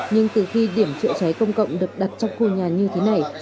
nhưng từ khi điểm chữa cháy công cộng được đặt trong khu nhà như thế này